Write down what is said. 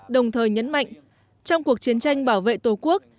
đồng thời nhấn mạnh trong cuộc chiến tranh bảo vệ tổ quốc